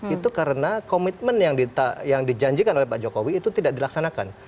itu karena komitmen yang dijanjikan oleh pak jokowi itu tidak dilaksanakan